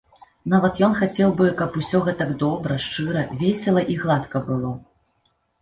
Нават ён хацеў бы, каб усё гэтак добра, шчыра, весела і гладка было.